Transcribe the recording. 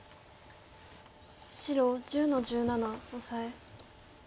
白１０の十七オサエ。